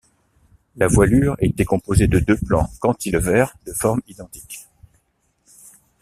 La voilure était composée de deux plans cantilever de forme identique.